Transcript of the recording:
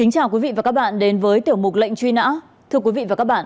chào mừng quý vị đến với tiểu mục lệnh truy nã